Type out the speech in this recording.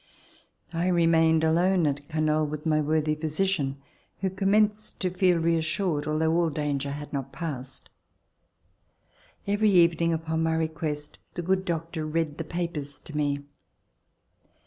I remained alone at Canoles with my worthy physician, who commenced to feel reassured, although all danger had not passed. Every evening upon my request the good doctor read the papers to me.